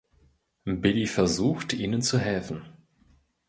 Billy versucht, ihnen zu helfen.